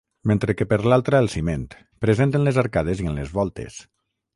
Mentre que per l'altra el ciment, present en les arcades i en les voltes.